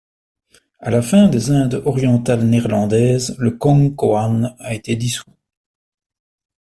À la fin des Indes orientales néerlandaises, le Kong Koan a été dissout.